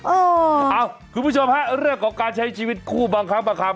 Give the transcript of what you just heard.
เออคุณผู้ชมฮะเรื่องของการใช้ชีวิตคู่บางครั้งบางครั้ง